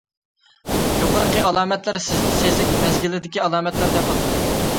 يۇقىرىقى ئالامەتلەر سېزىك مەزگىلىدىكى ئالامەتلەر دەپ ئاتىلىدۇ.